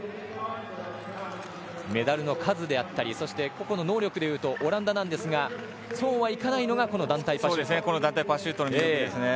メダルの数であったりそして、個々の能力で言うとオランダなんですがそうはいかないのがこの団体パシュート。